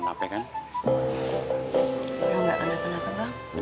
lo nggak pernah kenapa bang